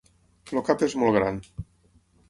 El cap és molt gran.